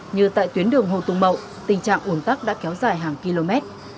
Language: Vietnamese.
như tại tuyến đường hồ tùng mậu tình trạng ủn tắc đã kéo dài hàng km